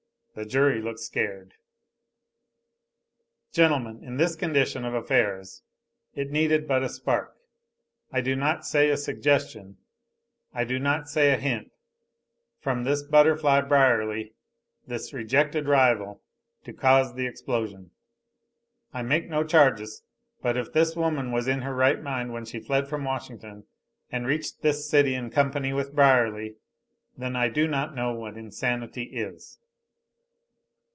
The jury looked scared.) "Gentlemen, in this condition of affairs it needed but a spark I do not say a suggestion, I do not say a hint from this butterfly Brierly; this rejected rival, to cause the explosion. I make no charges, but if this woman was in her right mind when she fled from Washington and reached this city in company with Brierly, then I do not know what insanity is."